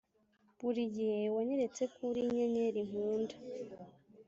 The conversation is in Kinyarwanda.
buri gihe wanyeretse ko uri inyenyeri nkunda.